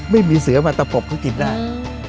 ไม่มีเสือมาตะปบเขากินได้